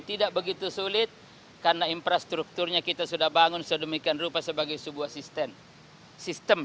tidak begitu sulit karena infrastrukturnya kita sudah bangun sedemikian rupa sebagai sebuah sistem sistem